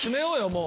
もう。